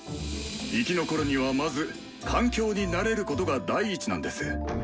生き残るにはまず環境に慣れることが第一なんです。